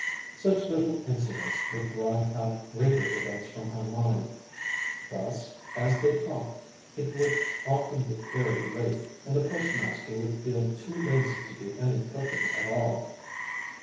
Such little incidents would drive out greater events from her mind. Thus, as they talked, it would often get very late, and the postmaster would feel too lazy to do any cooking at all.